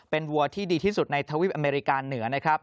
เป็นวัวที่ดีที่สุดในทวีปอเมริกาเหนือนะครับ